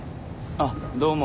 あっどうも。